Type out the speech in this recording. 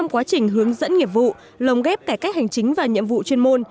quá trình hướng dẫn nghiệp vụ lồng ghép cải cách hành chính và nhiệm vụ chuyên môn